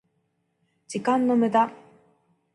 時間の無駄